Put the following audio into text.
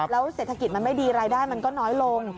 แล้วเศรษฐกิจมันไม่ดีรายได้มันก็น้อยลง